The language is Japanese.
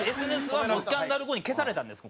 ＳＮＳはもうスキャンダル後に消されたんです